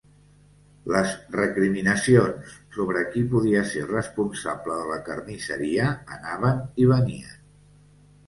Les recriminacions sobre qui podia ser responsable de la carnisseria anaven i venien.